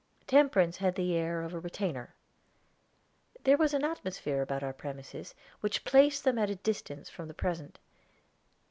Temperance had the air of a retainer; there was an atmosphere about our premises which placed them at a distance from the present.